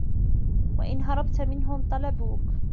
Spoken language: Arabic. وَإِنْ هَرَبْتَ مِنْهُمْ طَلَبُوكَ